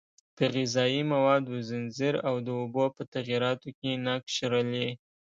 په غذایي موادو ځنځیر او د اوبو په تغییراتو کې نقش لري.